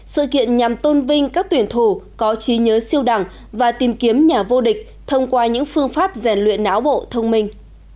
sự kiện nhằm tôn vinh các tuyển thủ có trí nhớ siêu đẳng và tìm kiếm nhà vô địch thông qua những phương pháp rèn luyện áo bộ thông minh